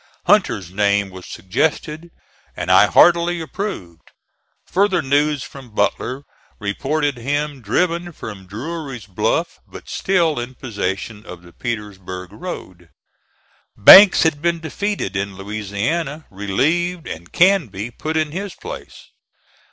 Hunter's name was suggested, and I heartily approved. Further news from Butler reported him driven from Drury's Bluff, but still in possession of the Petersburg road. Banks had been defeated in Louisiana, relieved, and Canby put in his place.